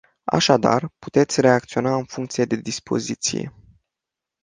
Așadar, puteți reacționa în funcție de dispoziție.